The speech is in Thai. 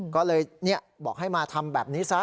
ก็เลยบอกให้มาทำแบบนี้ซะ